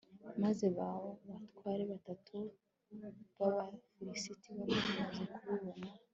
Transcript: maze ba batware batanu b'abafilisiti bamaze kubibona